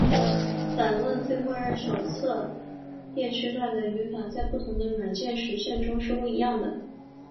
访问非默认手册页区段的语法在不同的软件实现中是不一样的。